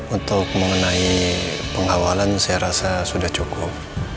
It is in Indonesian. untuk mengenai pengawalan saya rasa sudah cukup